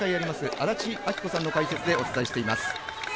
安達阿記子さんの解説でお伝えします。